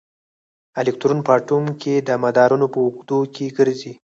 الکترون په اټوم کې د مدارونو په اوږدو کې ګرځي.